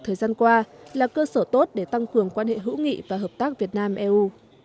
thời gian qua là cơ sở tốt để tăng cường quan hệ hữu nghị và hợp tác việt nam eu